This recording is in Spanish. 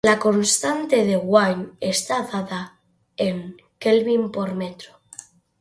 La constante de Wien está dada en Kelvin x metro.